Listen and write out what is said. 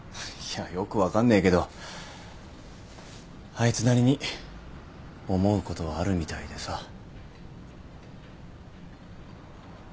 いやよく分かんねえけどあいつなりに思うことはあるみたいでさ。